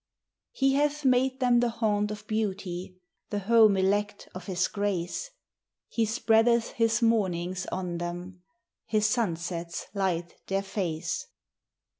He hath made them the haunt of beauty, The home elect of his grace; He spreadeth his mornings on them, His sunsets light their face.